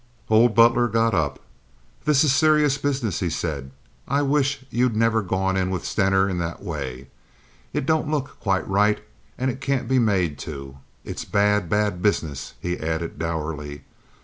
Old Butler got up. "This is serious business," he said. "I wish you'd never gone in with Stener in that way. It don't look quite right and it can't be made to. It's bad, bad business," he added dourly.